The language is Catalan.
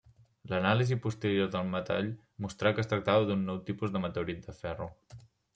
L'anàlisi posterior del metall mostrà que es tractava d'un nou tipus de meteorit de ferro.